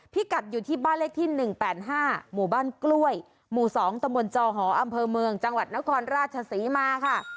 พี่กัดอยู่ที่บ้านเลขที่๑๘๕หมู่บ้านกล้วยหมู่๒ตมจอหออำเภอเมืองจังหวัดนครราชศรีมาค่ะ